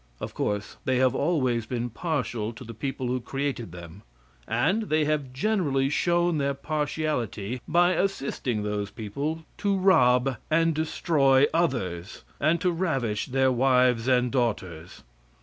Of course, they have always been partial to the people who created them, and they have generally shown their partiality by assisting those people to rob and destroy others, and to ravish their wives and daughters.